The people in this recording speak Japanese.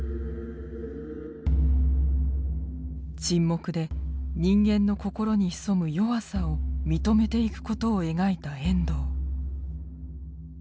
「沈黙」で人間の心に潜む弱さを認めていくことを描いた遠藤。